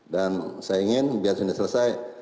dan saya ingin biar sudah selesai